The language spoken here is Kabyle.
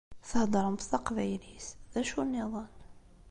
Theddṛemt taqbaylit, d acu nniḍen?